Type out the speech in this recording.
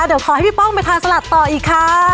เดี๋ยวขอให้พี่ป้องไปทานสลัดต่ออีกค่ะ